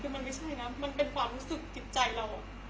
คือมันไม่ใช่นะมันเป็นความรู้สึกจิตใจเรา